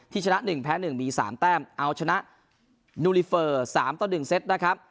ที่ชนะหนึ่งแพ้หนึ่งมีสามแต้มเอาชนะนูลิเฟอร์สามต้นหนึ่งเซตนะครับ